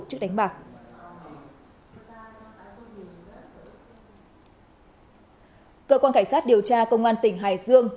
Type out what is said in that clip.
chức đánh bạc cơ quan cảnh sát điều tra công an tỉnh hải dương